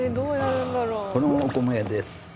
このお米です